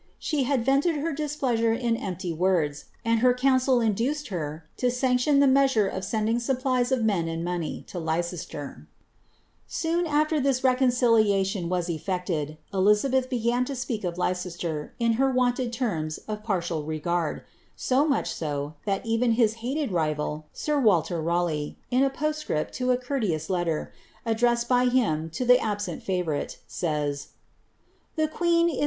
She ited her displeasure in empty words, and her council induced her ion the measure of sending supplies of men and money to Lei aAer this reconciliation was efiected, Elizabeth began to speak Bster in her wonted terms of partial regard ; so much so, that I hated rival, sir Walter Raleigh, in a postscript to a courteous ddressed by him to the absent favourite, says, ^ The queen is in * Hardwick Suite Papers, vol.